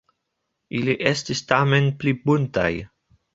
Ili estis tamen pli buntaj.